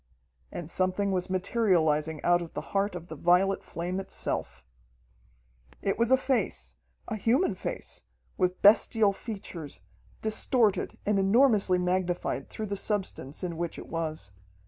And something was materializing out of the heart of the violet flame itself. It was a face a human face, with bestial features, distorted and enormously magnified through the substance in which it was.